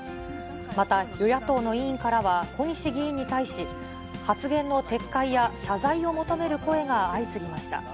また、与野党の委員からは、小西議員に対し、発言の撤回や、謝罪を求める声が相次ぎました。